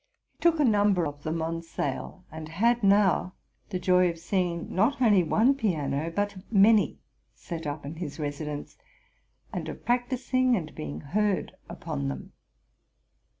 He took a num ber of them on sale, and had now the joy of seeing, not only one piano, but many, set up in his residence, and of practising and being heard upon them.